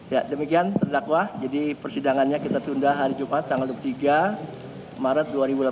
ya demikian terdakwa jadi persidangannya kita tunda hari jumat tanggal dua puluh tiga maret dua ribu delapan belas